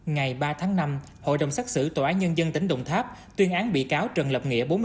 ngày ba tháng năm hội đồng xác xử tòa án nhân dân tỉnh đồng tháp tuyên án bị cáo trần lập nghĩa